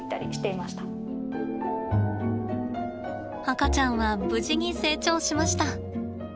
赤ちゃんは無事に成長しました。